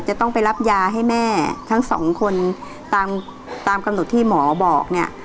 จะต้องไปรับยาให้แม่ทั้งสองคนตามตามกำหนดที่หมอบอกเนี่ย